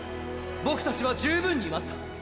僕たちは十分に待った！